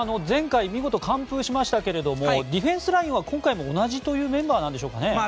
前回、見事完封しましたがディフェンスラインは今回も同じというメンバーなんですかね？